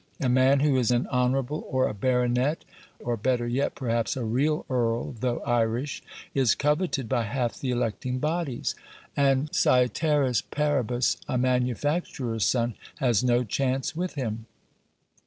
A man who is an honourable or a baronet, or better yet, perhaps, a real earl, though Irish, is coveted by half the electing bodies; and caeteris paribus, a manufacturer's son has no chance with him.